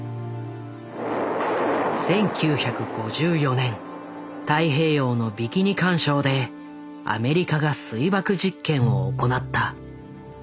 １９５４年太平洋のビキニ環礁でアメリカが水爆実験を行った。